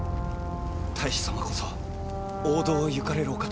太守様こそ王道を行かれるお方。